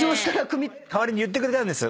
代わりに言ってくれたんです